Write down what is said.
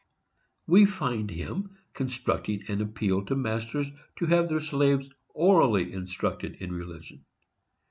We find him constructing an appeal to masters to have their slaves orally instructed in religion.